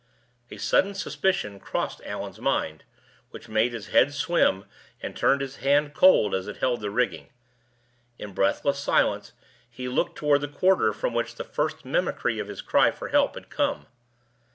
A sudden suspicion crossed Allan's mind, which made his head swim and turned his hand cold as it held the rigging. In breathless silence he looked toward the quarter from which the first mimicry of his cry for help had come.